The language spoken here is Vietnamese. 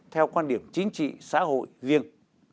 theo quan điểm chính trị xã hội riêng